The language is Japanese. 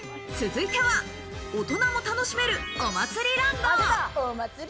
続いては、大人も楽しめるお祭りランド。